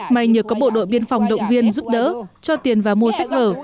may nhờ có bộ đội biên phòng động viên giúp đỡ cho tiền và mua sách vở